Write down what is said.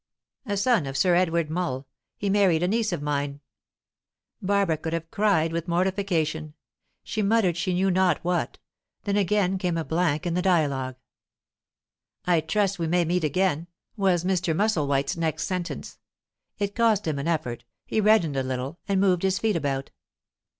A son of Sir Edward Mull; he married a niece of mine." Barbara could have cried with mortification. She muttered she knew not what. Then again came a blank in the dialogue. "I trust we may meet again," was Mr. Musselwhite's next sentence. It cost him an effort; he reddened a little, and moved his feet about.